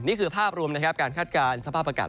นี่คือภาพรวมนะครับการคาดการณ์สภาพอากาศ